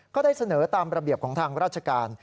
ก็ได้เสนอตามระเบียบของทางราชการ